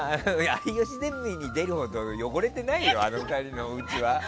「有吉ゼミ」に出るほど汚れてないよ、あの２人の家は。